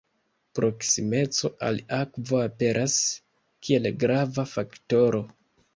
Proksimeco al akvo aperas kiel grava faktoro.